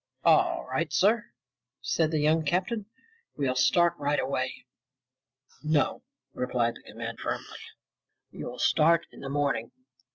"All right, sir," said the young captain. "We'll start right away." "No!" replied the commander firmly. "You'll start in the morning.